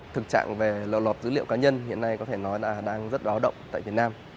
thực trạng về lộ lọt dữ liệu cá nhân hiện nay có thể nói là đang rất báo động tại việt nam